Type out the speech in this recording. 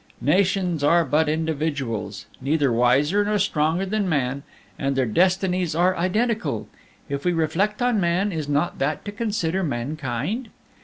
Nations are but individuals, neither wiser nor stronger than man, and their destinies are identical. If we reflect on man, is not that to consider mankind?